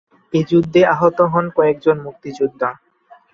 এ যুদ্ধে আহত হন কয়েকজন মুক্তিযোদ্ধা।